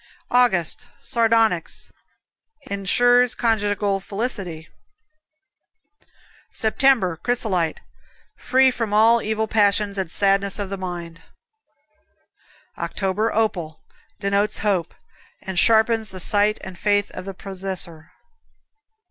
August, Sardonyx Insures conjugal felicity. September, Chrysolite Free from all evil passions and sadness of the mind. October, Opal Denotes hope, and sharpens the sight and faith of the possessor.